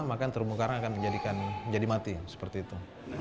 maka terumbu karang akan menjadi mati seperti itu